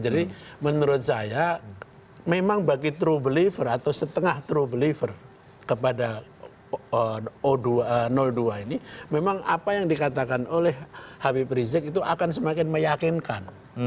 jadi menurut saya memang bagi true believer atau setengah true believer kepada dua ini memang apa yang dikatakan oleh habib rizik itu akan semakin meyakinkan